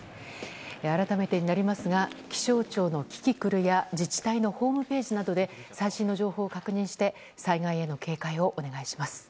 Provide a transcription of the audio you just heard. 改めてになりますが気象庁のキキクルや自治体のホームページなどで最新の情報を確認して災害への警戒をお願いします。